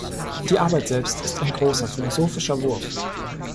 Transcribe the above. Die Arbeit selbst ist ein großer philosophischer Wurf.